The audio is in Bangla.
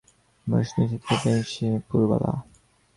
বসন্তনিশীথে প্রেয়সী– পুরবালা।